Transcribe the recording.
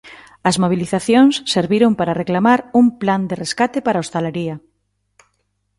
As mobilizacións serviron para reclamar un plan de rescate para a hostalaría.